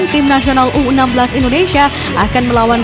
tim nasional u enam belas indonesia akan melawan